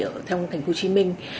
ở thành phố hồ chí minh